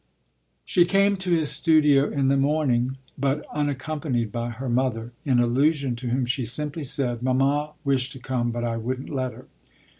She came to his studio in the morning, but unaccompanied by her mother, in allusion to whom she simply said, "Mamma wished to come but I wouldn't let her."